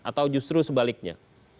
atau justru sebaliknya